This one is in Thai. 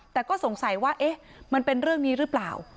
แต่ก็สงสัยว่าเอ๊ะมันเป็นเรื่องนี้หรือเปล่า